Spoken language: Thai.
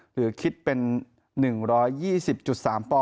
หรือคิดเป็น๑๒๐๓ป